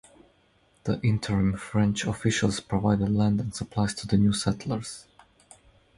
The interim French officials provided land and supplies to the new settlers.